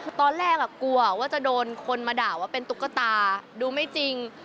คือตอนแรกกลัวว่าจะโดนคนมาด่าว่าเป็นตุ๊กตาดูไม่จริง